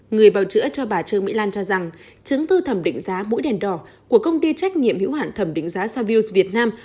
người bảo chữa cho bà trương mỹ lan cho rằng chứng thư thẩm định giá mũi đèn đỏ của công ty trách nhiệm hữu hạn thẩm định giá savills việt nam